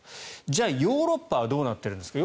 じゃあ、ヨーロッパはどうなっているのか。